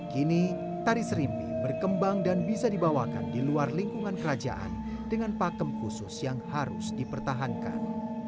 kini tari serimpi berkembang dan bisa dibawakan di luar lingkungan kerajaan dengan pakem khusus yang harus dipertahankan